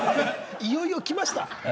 いよいよきました。